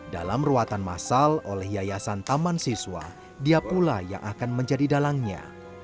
dalam ruatan masal oleh yayasan taman siswa dia pula yang akan menjadi dalangnya